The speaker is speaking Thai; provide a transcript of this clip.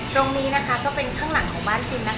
ตรงนี้นะคะก็เป็นข้างหลังของบ้านพิมนะคะ